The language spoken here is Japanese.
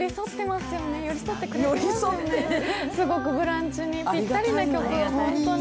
すごく「ブランチ」にぴったりな曲を、ホントに。